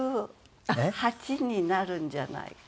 ５８になるんじゃない？